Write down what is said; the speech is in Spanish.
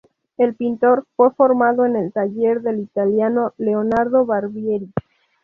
El pintor fue formado en el taller del italiano Leonardo Barbieri.